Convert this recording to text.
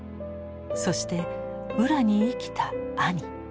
そして「浦」に生きた兄。